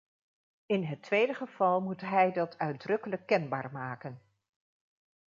In het tweede geval moet hij dat uitdrukkelijk kenbaar maken.